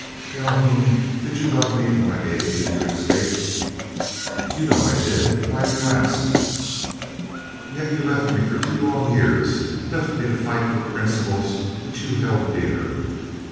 "Calhoun, did you love me when I aided you to escape?" "You know I did, why do you ask?" "Yet you left me for two long years, left me to fight for principles which you held dear.